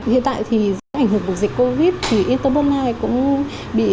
hiện tại thì do ảnh hưởng của dịch covid thì ít tố bất mai cũng bị